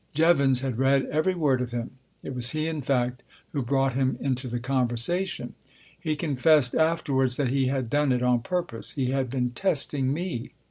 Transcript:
Jevons had read every word of him ; it was he, in fact, who brought him into the conversation. He confessed afterwards that he had done it on purpose. He had been testing me.